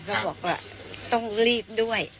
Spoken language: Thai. เขาบอกว่าต้องรีบด้วย